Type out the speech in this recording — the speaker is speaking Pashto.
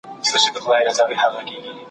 زه کولای سم کتاب وليکم!؟!؟